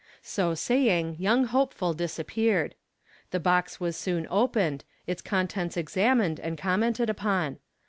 So saying, young hopeful disappeared. The box was soon opened, its contents examined and commented upon.